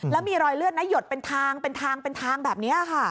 แล้วมีรอยเลือดนะหยดเป็นทางเป็นทางเป็นทางแบบนี้ค่ะ